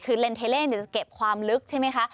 คือเลนเทเล่จะเก็บความลึกใช่ไหมคะ